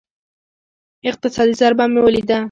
اقتصادي ضربه مې وليده.